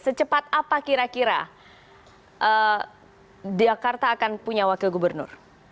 secepat apa kira kira jakarta akan punya wakil gubernur